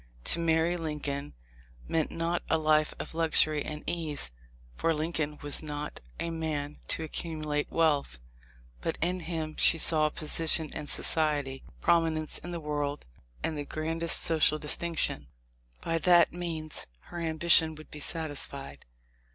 To marry Lincoln meant not a life of luxury and ease, for Lincoln was not a man to ac cumulate wealth ; but in him she saw position in soci ety, prominence in the world, and the grandest so cial distinction. By that means her ambition would be satisfied.